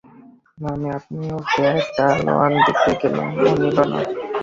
না, আমি আপনিই ওকে একটা আলোয়ান দিতে গেলুম, ও নিল না।